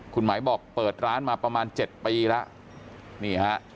คุณหมายบอกเปิดร้านมาประมาณ๗ปีแล้วนี่ฮะ